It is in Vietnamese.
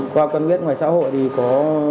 qua quân viết ngoài xã hội thì có